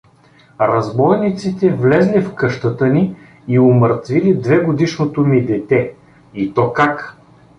Разбойниците влезли в къщата ни и умъртвили двегодишното ми дете… И то как?